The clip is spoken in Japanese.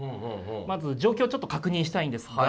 まず状況ちょっと確認したいんですが。